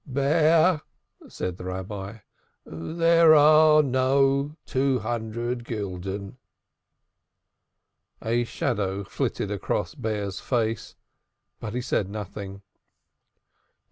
"Bear," said the Rabbi, "there are no two hundred gulden." A shadow flitted across Bear's face, but he said nothing.